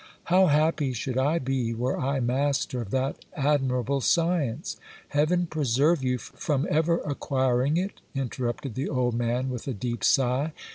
How happy should I be were I master of that admirable science ! Heaven preserve you from ever acquiring it, interrupted the old man with a deep sigh.